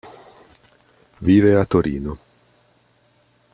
Vive a Torino.